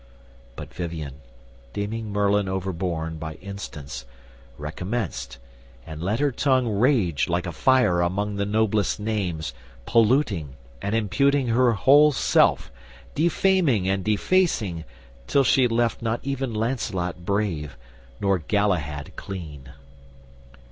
But Vivien, deeming Merlin overborne By instance, recommenced, and let her tongue Rage like a fire among the noblest names, Polluting, and imputing her whole self, Defaming and defacing, till she left Not even Lancelot brave, nor Galahad clean.